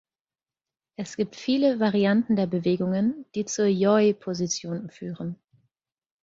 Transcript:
Es gibt viele Varianten der Bewegungen, die zur „Yoi“-Position führen.